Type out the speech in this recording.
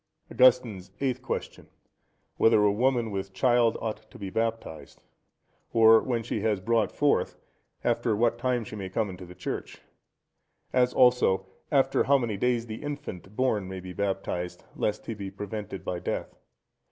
Augustine's Eighth Question.—Whether a woman with child ought to be baptized? Or when she has brought forth, after what time she may come into the church? As also, after how many days the infant born may be baptized, lest he be prevented by death?